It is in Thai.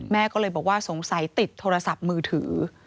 แม่ก็เลยบอกว่าสงสัยติดโทรศัพท์มือถือ